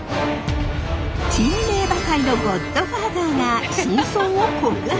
珍名馬界のゴッドファーザーが真相を告白！